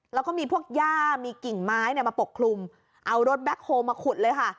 แล้วก็มีพวกย่ามีกิ่งไม้มาปกคลุมเอารถแบ็คโฮลมาขุดเลยค่ะ